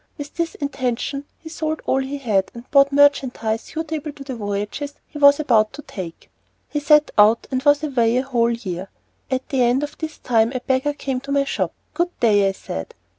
With this intention he sold all he had and bought merchandise suitable to the voyages he was about to make. He set out, and was away a whole year. At the end of this time a beggar came to my shop. "Good day," I said.